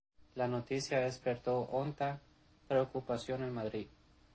La noticia despertó honda preocupación en Madrid.